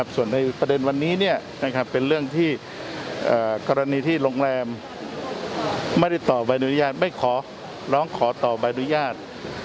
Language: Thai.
ส่วนในประเด็นวันนี้เป็นเรื่องที่กรณีที่โรงแรมไม่ได้ต่อใบอนุญาตไม่ขอร้องขอต่อใบอนุญาต